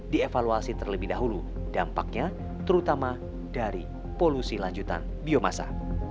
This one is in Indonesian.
dievaluasi terlebih dahulu dampaknya terutama dari polusi lanjutan biomasa